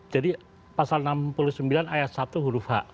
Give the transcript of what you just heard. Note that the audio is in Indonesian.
jadi pasal enam puluh sembilan ayat satu huruf h